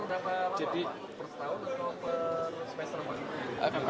untuk perundangan apa